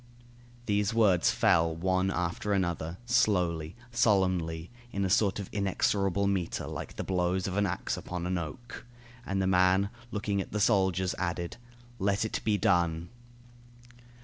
These words fell one after another, slowly, solemnly, in a sort of inexorable metre, like the blows of an axe upon an oak. And the man, looking at the soldiers, added: "Let it be done."